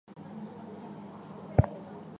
该队现在参加西班牙足球丙级联赛。